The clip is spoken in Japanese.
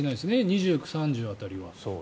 ２９、３０辺りは。